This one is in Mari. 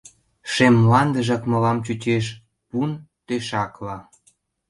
Шем мландыжак мылам чучеш пун тӧшакла.